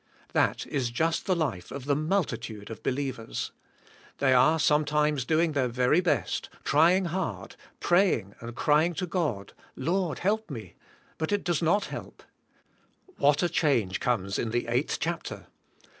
That is just the life of the multitude of believers. They are sometimes doing their very best, trying hard, praying and cry ing to God, Lord help me! but it does not help. What a change comes in the eighth chapter.